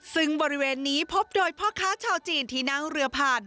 ซึ่งบริเวณนี้พบโดยพ่อค้าชาวจีนที่นั่งเรือผ่าน